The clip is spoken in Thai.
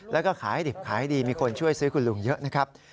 แล้วก็ขายดิบขายดีมีคนช่วยซื้อคุณลุงเยอะนะครับ